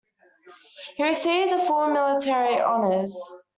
He received full military honours.